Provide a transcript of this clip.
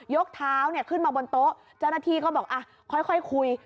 ยกเท้าขึ้นมาบนโต๊ะเจ้าหน้าที่ก็บอกค่อยคุย